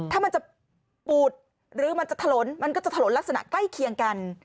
ถ้ามันจะปูดหรือมันจะถลนมันก็จะถลนลักษณะใกล้เคียงกัน